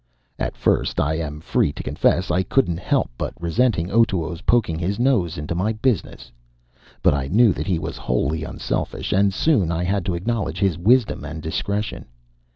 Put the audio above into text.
At first, I am free to confess, I couldn't help resenting Otoo's poking his nose into my business. But I knew that he was wholly unselfish; and soon I had to acknowledge his wisdom and discretion.